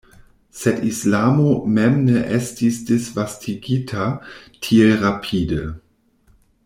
Sed islamo mem ne estis disvastigita tiel rapide.